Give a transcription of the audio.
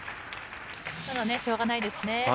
しょうがないですね。